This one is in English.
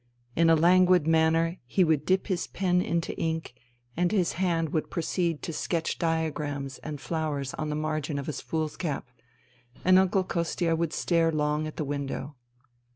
In a languid manner he would dip his pen into ink and his hand THE THREE SISTERS 61 would proceed to sketch diagrams and flowers on the margin of his foolscap, and Uncle Kostia would stare long at the window.